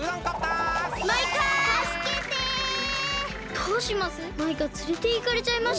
どうします？